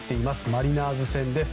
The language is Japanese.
マリナーズ戦です。